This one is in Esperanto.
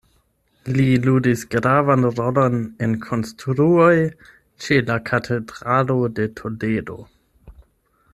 Li ludis gravan rolon en konstruoj ĉe la Katedralo de Toledo.